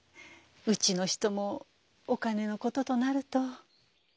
うちの人もお金のこととなると。